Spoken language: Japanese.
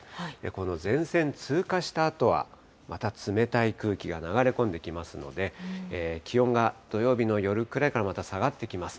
この前線通過したあとは、また冷たい空気が流れ込んできますので、気温が土曜日の夜くらいからまた下がってきます。